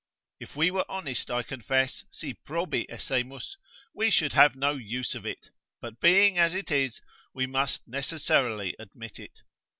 If we were honest, I confess, si probi essemus, we should have no use of it, but being as it is, we must necessarily admit it.